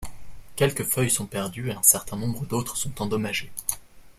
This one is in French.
Quelques feuilles sont perdues, et un certain nombre d'autres sont endommagées.